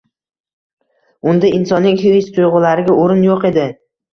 Unda insonning his-tuyg`ulariga o`rin yo`q edi